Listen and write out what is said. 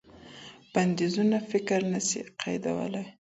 بنديزونه فکر نه سي قيدولای.